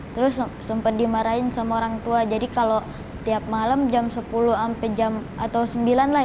terus sempat dimarahin sama orang tua jadi kalau tiap malam jam sepuluh sampai jam atau sembilan lah